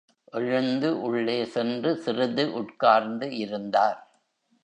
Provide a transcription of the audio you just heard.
எழுந்து உள்ளே சென்று சிறிது உட்கார்ந்து இருந்தார்.